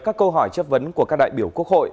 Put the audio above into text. các câu hỏi chất vấn của các đại biểu quốc hội